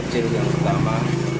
kecil yang pertama